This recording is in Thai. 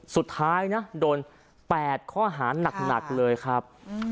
สุดท้ายนะโดน๘ข้อหานักเลยครับ